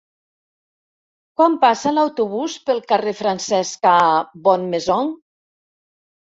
Quan passa l'autobús pel carrer Francesca Bonnemaison?